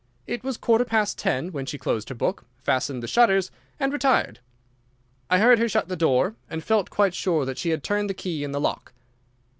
It was quarter past ten when she closed her book, fastened the shutters, and retired. "I heard her shut the door, and felt quite sure that she had turned the key in the lock."